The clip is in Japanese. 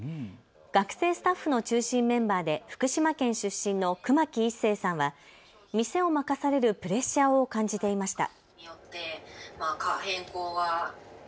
学生スタッフの中心メンバーで福島県出身の久間木壱成さんは店を任されるプレッシャーを感じていました。